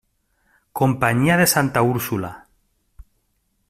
Companyia de Santa Úrsula.